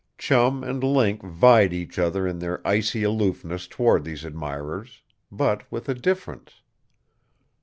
Chum and Link vied each other in their icy aloofness toward these admirers. But with a difference.